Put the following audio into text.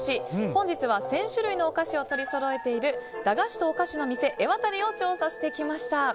本日は１０００種類のお菓子を取りそろえている駄菓子とおかしのみせエワタリを調査してきました。